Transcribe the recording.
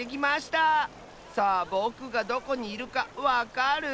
さあぼくがどこにいるかわかる？